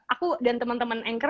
aku dan temen temen anchor